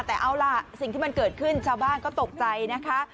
แต่เอาล่ะสิ่งที่มันเกิดขึ้นชาวบ้านก็ตกใจนะคะ